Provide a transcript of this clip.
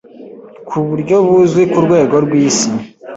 ku buryo buzwi ku Rwego rw’isi.